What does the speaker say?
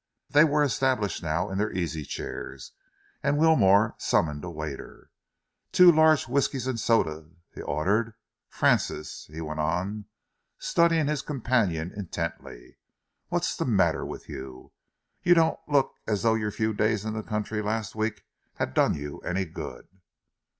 They were established now in their easy chairs, and Wilmore summoned a waiter. "Two large whiskies and sodas," he ordered. "Francis," he went on, studying his companion intently, "what's the matter with you? You don't look as though your few days in the country last week had done you any good."